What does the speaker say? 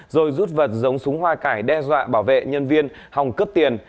rồi rút vật giống súng hoa cải đe dọa bảo vệ nhân viên hòng cướp tiền